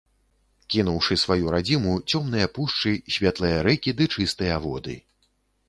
Кінуўшы сваю радзіму, цёмныя пушчы, светлыя рэкі ды чыстыя воды.